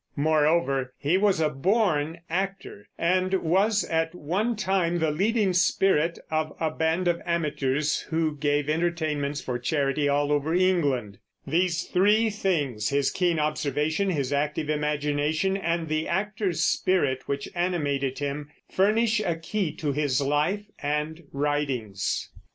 Moreover he was a born actor, and was at one time the leading spirit of a band of amateurs who gave entertainments for charity all over England. These three things, his keen observation, his active imagination, and the actor's spirit which animated him, furnish a key to his life and writings.